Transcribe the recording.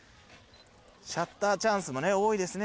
シャッターチャンスも多いですね